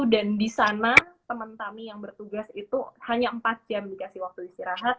dan di sana teman tami yang bertugas itu hanya empat jam dikasih waktu istirahat